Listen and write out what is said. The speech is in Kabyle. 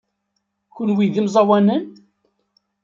Kenwi d imẓawanen?